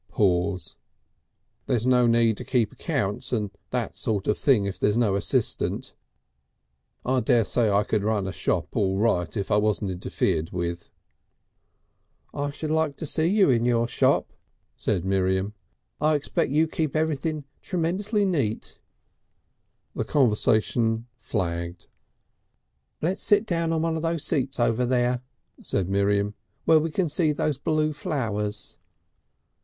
Pause. "There's no need to keep accounts and that sort of thing if there's no assistant. I daresay I could run a shop all right if I wasn't interfered with." "I should like to see you in your shop," said Miriam. "I expect you'd keep everything tremendously neat." The conversation flagged. "Let's sit down on one of those seats over there," said Miriam. "Where we can see those blue flowers."